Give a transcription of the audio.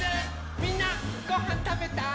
みんなごはんたべた？